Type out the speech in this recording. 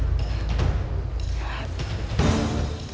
tunggu kisah anak